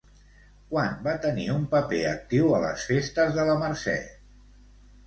Quan va tenir un paper actiu a les Festes de la Mercè?